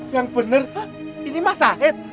yang benar ini mas zahid